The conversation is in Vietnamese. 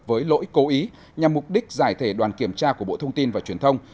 với lỗi cố ý nhằm mục đích giải thể đoàn kiểm tra của bộ thông tin và truyền thông